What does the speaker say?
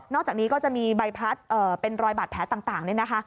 อกจากนี้ก็จะมีใบพลัดเป็นรอยบาดแผลต่างนี่นะคะ